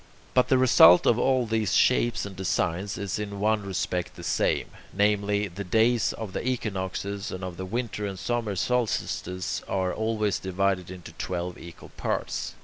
But the result of all these shapes and designs is in one respect the same: namely, the days of the equinoxes and of the winter and summer solstices are always divided into twelve equal parts.